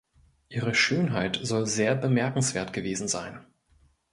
Ihre Schönheit soll sehr bemerkenswert gewesen sein.